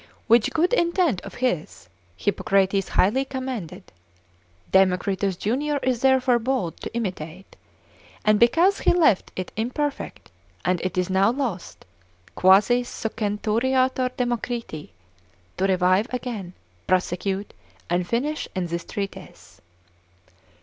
Which good intent of his, Hippocrates highly commended: Democritus Junior is therefore bold to imitate, and because he left it imperfect, and it is now lost, quasi succenturiator Democriti, to revive again, prosecute, and finish in this treatise.